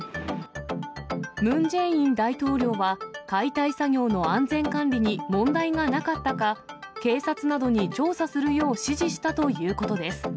ムン・ジェイン大統領は、解体作業の安全管理に問題がなかったか、警察などに調査するよう指示したということです。